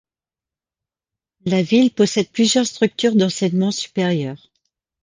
La ville possède plusieurs structures d'enseignement supérieur.